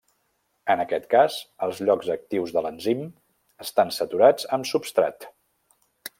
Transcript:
En aquest cas, els llocs actius de l'enzim estan saturats amb substrat.